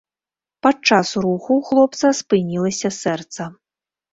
Падчас руху ў хлопца спынілася сэрца.